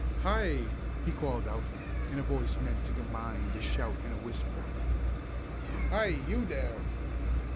"Hi!" he called out, in a voice meant to combine a shout and a whisper. "Hi! you there!"